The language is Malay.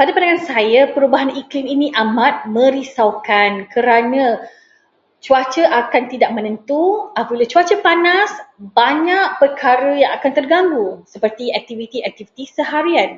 Pada pandangan saya, perubahan iklim ini amat merisaukan kerana cuaca akan tidak menentu. Apabila cuaca panas, banyak perkara yang akan terganggu, seperti aktiviti-aktiviti seharian.